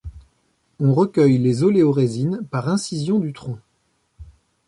On recueille les oléorésines par incision du tronc.